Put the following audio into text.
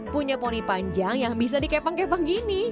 punya poni panjang yang bisa dikepang kepang gini